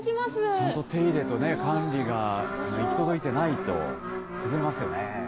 ちゃんと手入れと管理が行き届いてないと、崩れますよね。